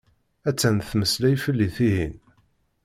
Atan temmeslay fell-i tihin.